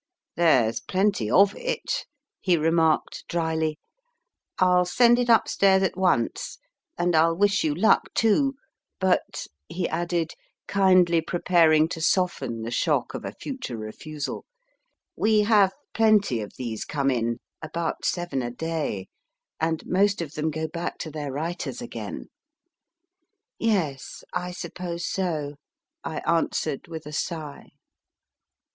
There s plenty of it, he remarked dryly. I ll send it upstairs at once. And I ll wish you luck, too ; but, he added, kindly preparing to soften the shock of a future re fusal, \ve have plenty of these come in about seven a day and most of them go back to their writers again. Ye es, I suppose so, I answered, with a sigh.